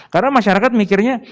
karena masyarakat mikirnya